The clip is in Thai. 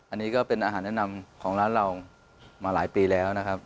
อันนี้ก็เป็นอาหารแนะนำของร้านเรามาหลายปีแล้วนะครับ